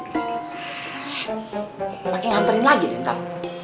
pak haji nganterin lagi deh ntar